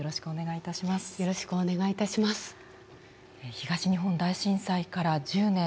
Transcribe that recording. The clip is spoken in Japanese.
東日本大震災から１０年。